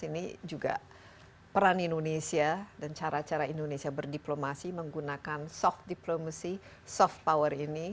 ini juga peran indonesia dan cara cara indonesia berdiplomasi menggunakan soft diplomacy soft power ini